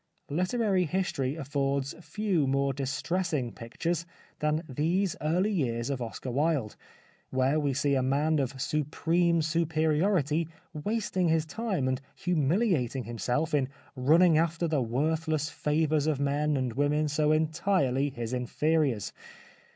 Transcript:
Literary history affords few more distressing pictures than these early years of Oscar Wilde, where we see a man of supreme superiority wast ing his time and humiliating himself in running after the worthless favours of men and women so entirely his inferiors.